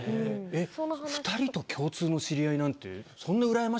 ２人と共通の知り合いなんて。